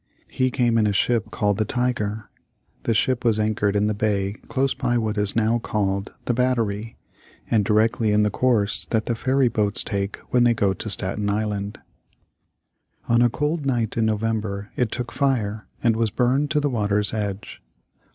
He came in a ship called the Tiger. This ship was anchored in the bay close by what is now called the Battery, and directly in the course that the ferry boats take when they go to Staten Island. [Illustration: Indians Trading for Furs.] On a cold night in November it took fire and was burned to the water's edge.